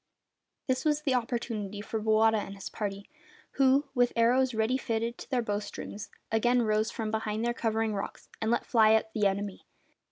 This was the opportunity for Bowata and his party, who, with arrows ready fitted to their bow strings, again rose from behind the covering rocks and let fly at the enemy.